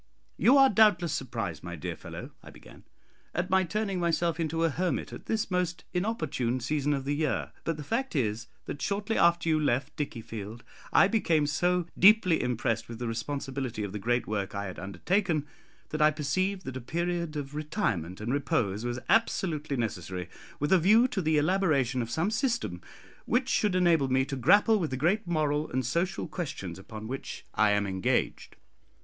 "You are doubtless surprised, my dear fellow," I began, "at my turning myself into a hermit at this most inopportune season of the year; but the fact is, that shortly after you left Dickiefield, I became so deeply impressed with the responsibility of the great work I had undertaken, that I perceived that a period of retirement and repose was absolutely necessary with a view to the elaboration of some system which should enable me to grapple with the great moral and social questions upon which I am engaged.